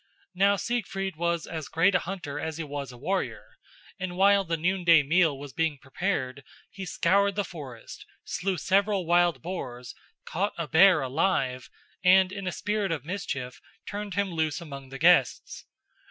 Now Siegfried was as great a hunter as he was a warrior, and while the noonday meal was being prepared he scoured the forest, slew several wild boars, caught a bear alive and in a spirit of mischief turned him loose among the guests.